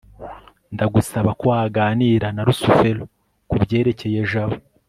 ndagusaba ko waganira na rusufero kubyerekeye jabo